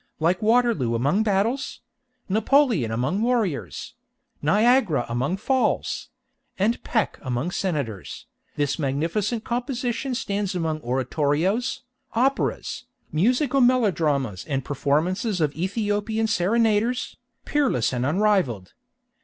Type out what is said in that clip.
Like Waterloo among battles; Napoleon among warriors; Niagara among falls, and Peck among senators, this magnificent composition stands among Oratorios, Operas, Musical Melodramas and performances of Ethiopian Serenaders, peerless and unrivaled.